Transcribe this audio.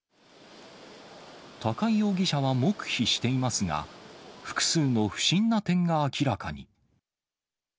高井容疑者は黙秘していますが、複数の不審な点が明らかに。